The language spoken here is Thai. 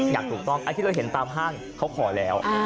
อย่างถูกต้องอันที่เราเห็นตามห้างเขาขอแล้ว